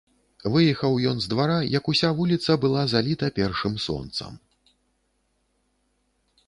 Выехаў ён з двара, як уся вуліца была заліта першым сонцам.